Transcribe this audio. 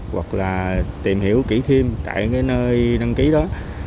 hoặc là tìm hiểu kỹ thêm tại cái nơi đăng ký đó